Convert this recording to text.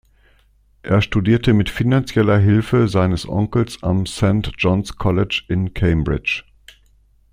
Er studierte mit finanzieller Hilfe seines Onkels am St John’s College in Cambridge.